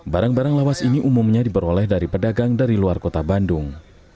barang barang lawas ini umumnya diperoleh dari pedagang dari luar kota bandung